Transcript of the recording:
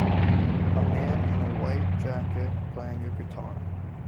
A man in a white jacket playing a guitar.